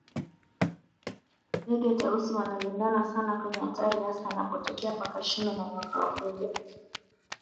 Ndege Tausi wanalindana sana kwenye hatari hasa anapotokea paka shume na nyoka wakubwa